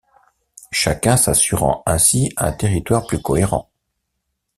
Chacun s'assurant ainsi un territoire plus cohérent.